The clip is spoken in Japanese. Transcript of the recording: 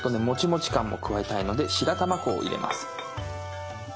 もちもち感も加えたいので白玉粉を入れます。